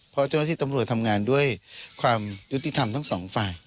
เพราะเจ้าหน้าที่ตำรวจทำงานด้วยความยุติธรรมทั้งสองฝ่าย